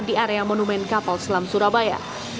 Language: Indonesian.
di area monumen kapal selam surabaya